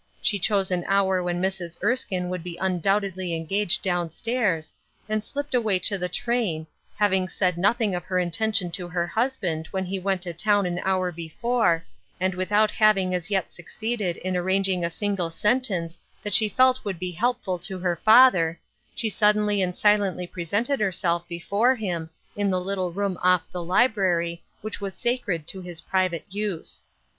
She chose an hour when Mrs. Erskiue would be undoubtedly engaged down stau's, and slipped away to the train, having said nothing of her intention to her husband when he went to town an hour before, and without hav ing as yet succeeded in arranging a single sen tence that she felt would be helpful to her father, she suddenly and silently presented her self before him, in the little room off the library which was sacred to his private use.